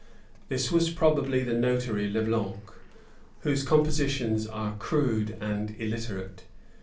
] This was probably the notary, Le Blanc, whose compositions are crude and illiterate.